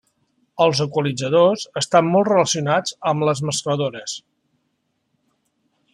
Els equalitzadors estan molt relacionats amb les mescladores.